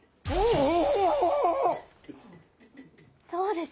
どうです？